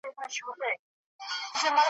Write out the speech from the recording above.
زه له بویه د باروتو ترهېدلی ,